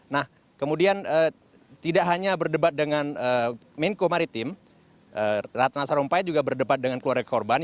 nah kemudian tidak hanya berdebat dengan menko maritim ratna sarumpait juga berdebat dengan keluarga korban